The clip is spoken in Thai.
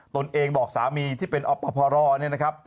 ตนเองบอกสามีที่เป็นอพรเนี่ยนะครับ